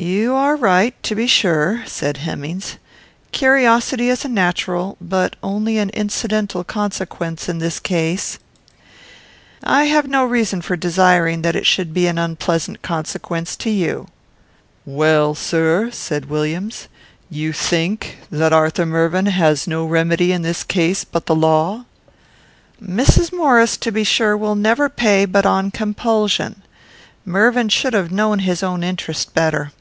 "You are right, to be sure," said Hemmings. "Curiosity is a natural, but only an incidental, consequence in this case. I have no reason for desiring that it should be an unpleasant consequence to you." "Well, sir," said Williams, "you think that Arthur Mervyn has no remedy in this case but the law?" "Mrs. Maurice, to be sure, will never pay but on compulsion. Mervyn should have known his own interest better.